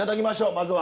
まずは。